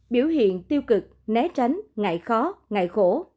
biểu hiện tiêu cực né tránh ngại khó ngại khổ